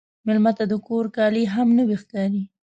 مېلمه ته د کور کالي هم نوی ښکاري.